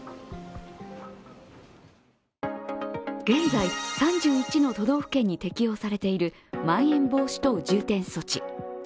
現在、３１の都道府県に適用されているまん延防止等重点措置。